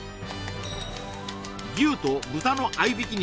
牛と豚の合い挽き